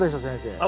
先生。